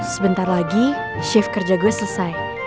sebentar lagi shift kerja gue selesai